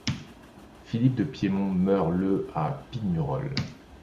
Philippe de Piémont meurt le à Pignerol.